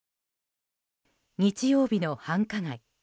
日曜日の繁華街。